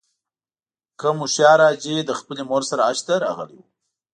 کوم هوښیار حاجي له خپلې مور سره حج ته راغلی و.